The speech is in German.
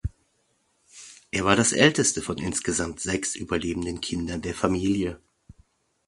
Er war das Älteste von insgesamt sechs überlebenden Kindern der Familie.